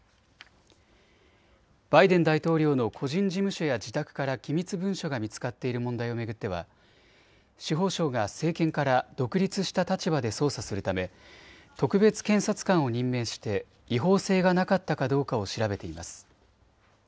バイデン大統領の個人事務所や自宅から機密文書が見つかっている問題を巡っては司法省が政権から独立した立場で捜査するため特別検察官を任命して違法性がなかったかどうかを調べています。